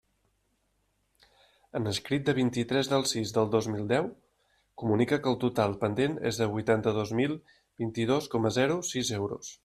En escrit de vint-i-tres del sis del dos mil deu, comunica que el total pendent és de huitanta-dos mil vint-i-dos coma zero sis euros.